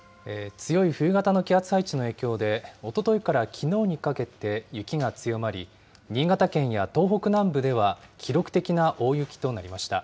強い冬型の気圧配置の影響で、おとといからきのうにかけて雪が強まり、新潟県や東北南部では記録的な大雪となりました。